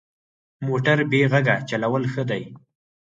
موټر بې غږه چلول ښه دي.